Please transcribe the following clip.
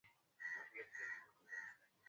nza kama rais yudhayono alivyotangulia kusema